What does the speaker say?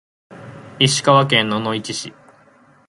石川県野々市市